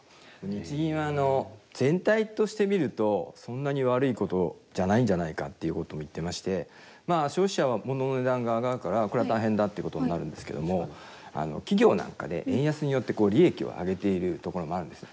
日銀は全体として見るとそんなに悪いことじゃないんじゃないかっていうことも言ってましてまあ消費者は物の値段が上がるからこれは大変だっていうことになるんですけども企業なんかで円安によって利益を上げているところもあるんです。